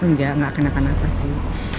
enggak gak kenapa kenapa sih